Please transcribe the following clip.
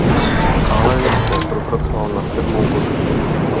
Alen se propracoval na sedmou pozici.